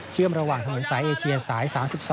ระหว่างถนนสายเอเชียสาย๓๒